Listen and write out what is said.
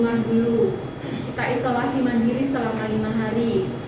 kita isolasi mandiri selama lima hari